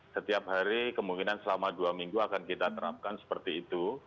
setiap hari kemungkinan selama dua minggu akan kita terapkan seperti itu